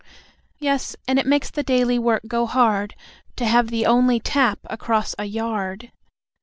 Yes, and it makes the daily work go hard To have the only tap across a yard.